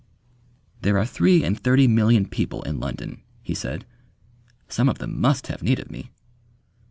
"There are three and thirty million people in London," he said: "some of them must have need of me."